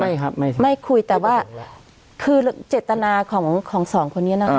ไม่ครับไม่คุยแต่ว่าคือเจตนาของของสองคนนี้นะคะ